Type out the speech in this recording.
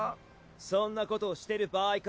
そんなことをしている場合か。